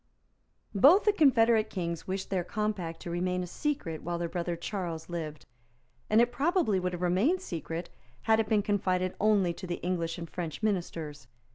Both the confederate Kings wished their compact to remain a secret while their brother Charles lived; and it probably would have remained secret, had it been confided only to the English and French Ministers.